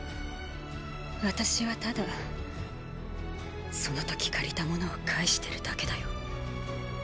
私はただその時借りたものを返してるだけだよ。